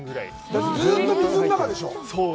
だってずうっと水の中でしょう？